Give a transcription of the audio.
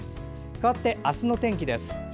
かわって明日の天気です。